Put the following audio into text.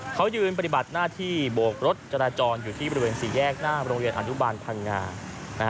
เขายืนปฏิบัติหน้าที่โบกรถจราจรอยู่ที่บริเวณสี่แยกหน้าโรงเรียนอนุบาลพังงา